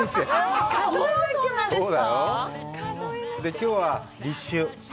今日は立秋